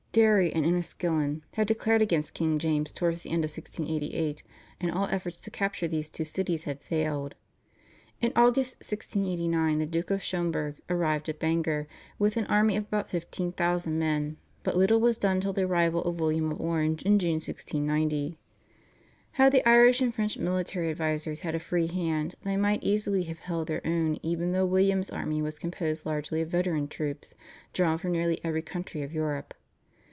Derry and Enniskillen had declared against King James towards the end of 1688, and all efforts to capture these two cities had failed. In August 1689 the Duke of Schomberg arrived at Bangor with an army of about fifteen thousand men, but little was done till the arrival of William of Orange in June 1690. Had the Irish and French military advisers had a free hand they might easily have held their own, even though William's army was composed largely of veteran troops drawn from nearly every country of Europe.